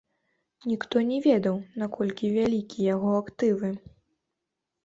Ніхто не ведае, наколькі вялікія яго актывы.